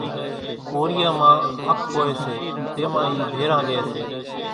ڪوريان مان ۿپ هوئيَ سي تيمان اِي ڀيران ريئيَ سي۔